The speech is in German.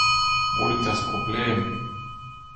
Wo liegt das Problem?